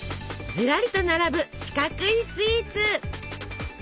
ずらりと並ぶ四角いスイーツ！